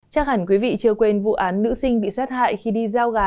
chắc hẳn quý vị chưa quên vụ án nữ sinh bị sát hại khi đi giao gà